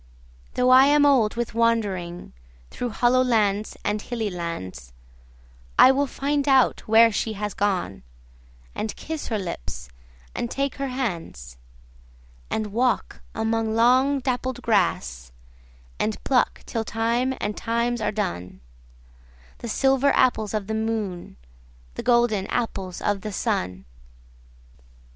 Though I am old with wanderingThrough hollow lands and hilly lands,I will find out where she has gone, And kiss her lips and take her hands; And walk among long dappled grass, And pluck till time and times are done, The silver apples of the moon, The golden apples of the sun.